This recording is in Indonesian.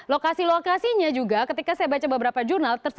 lokasi lokasinya juga ketika saya baca beberapa jurnal